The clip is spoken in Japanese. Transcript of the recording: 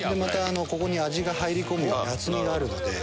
ここに味が入り込むように厚みがあるので。